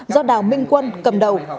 do đào minh quân cầm đầu